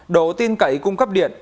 độ tin cậy cung cấp điện